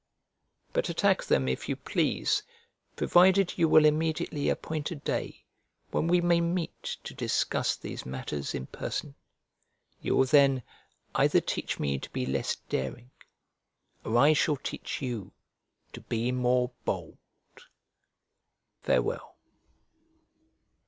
But attack them if you please provided you will immediately appoint a day when we may meet to discuss these matters in person: you will then either teach me to be less daring or I shall teach you to be more bold. Farewell.